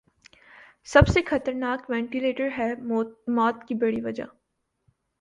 سب سے خطرناک ونٹیلیٹر ہے موت کی بڑی وجہ ۔